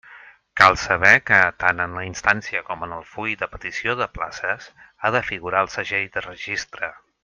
Cal saber que tant en la instància com en el full de petició de places ha de figurar el segell de registre.